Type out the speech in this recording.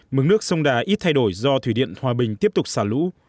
mức nước sông đà ít thay đổi do thủy điện hòa bình tiếp tục xả lũ